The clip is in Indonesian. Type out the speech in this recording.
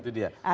nah itu dia